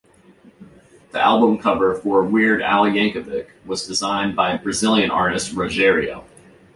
The album cover for "Weird Al" Yankovic" was designed by Brazilian artist Rogerio.